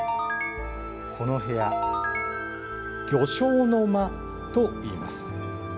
この部屋、魚樵の間といいます。